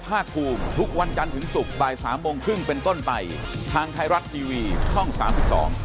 พบกันหน่อยพรุ่งนี้บ่าย๓๓๐ครับสวัสดีครับ